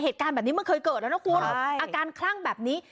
เหตุการณ์แบบนี้มันเคยเกิดแล้วนะคุณอาการคลั่งแบบนี้